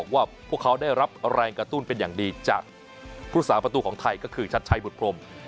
ว่าพวกเขาได้รับแรงกระตุ้นเป็นอย่างดีจากผู้สาประตูของไทยก็คือชัดชัยบุตพรม